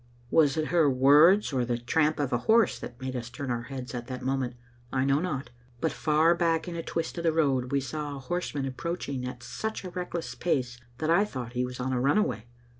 " Was it her words or the tramp of a horse that made us turn our heads at that moment? I know not. But far back in a twist of the road we saw a horseman ap proaching at such a reckless pace that I thought he was on a runaway.